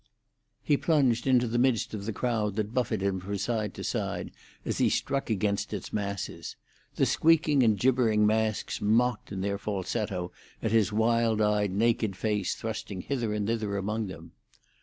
He plunged into the midst of the crowd that buffeted him from side to side as he struck against its masses. The squeaking and gibbering masks mocked in their falsetto at his wild eyed, naked face thrusting hither and thither among them.